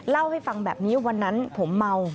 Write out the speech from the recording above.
เล่าให้ฟังแบบนี้วันนั้นผมเมา